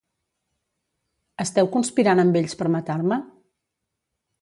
Esteu conspirant amb ells per matar-me?